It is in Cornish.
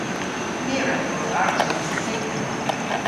My a wra dos arta nessa seythen.